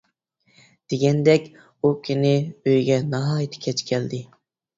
دېگەندەك، ئۇ كۈنى ئۆيىگە ناھايىتى كەچ كەلدى.